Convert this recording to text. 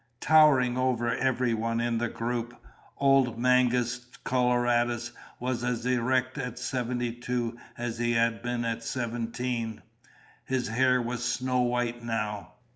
Towering over everyone in the group, old Mangus Coloradus was as erect at seventy two as he had been at seventeen. His hair was snow white now.